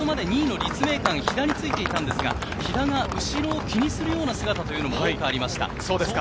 先ほどまで２位の立命館・飛田についていたんですが、飛田が後ろを気にするような姿が多くありました。